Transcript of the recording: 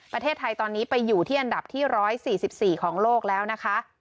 ประเทศไทยตอนนี้ไปอยู่ที่อันดับที่๑๔๔ของโลกแล้วนะคะ